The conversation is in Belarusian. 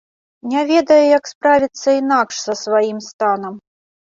Не ведае, як справіцца інакш са сваім станам.